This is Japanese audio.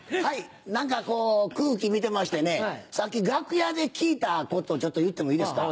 何か空気見てましてねさっき楽屋で聞いたことをちょっと言ってもいいですか？